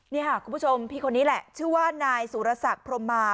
นี่ค่ะคุณผู้ชมพี่คนนี้แหละชื่อว่านายสุรศักดิ์พรมมา